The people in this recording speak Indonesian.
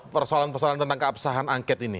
persoalan persoalan tentang keabsahan angket ini